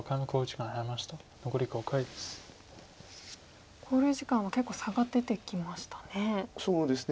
考慮時間は結構差が出てきましたね。